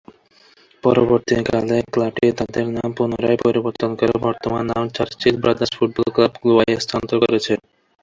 পরবর্তীকালে ক্লাবটি তাদের নাম পুনরায় পরিবর্তন করে বর্তমান নাম চার্চিল ব্রাদার্স ফুটবল ক্লাব গোয়ায় স্থানান্তর করেছে।